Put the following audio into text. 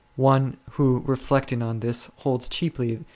One who reflecting on this holds cheaply all 9 Ps.